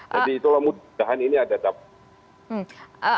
jadi itu mudah mudahan ini ada dampak